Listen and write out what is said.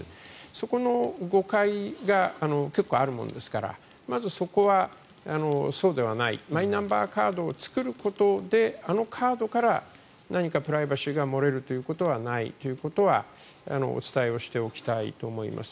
そこの誤解が結構あるものですからまずそこは、そうではないマイナンバーカードを作ることであのカードから何か、プライバシーが漏れることはないということはお伝えをしておきたいと思います。